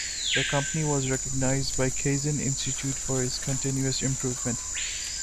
The company was recognized by Kaizen Institute for its continuous improvement.